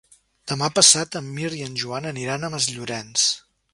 Demà passat en Mirt i en Joan aniran a Masllorenç.